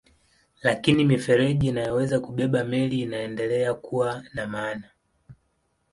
Lakini mifereji inayoweza kubeba meli inaendelea kuwa na maana.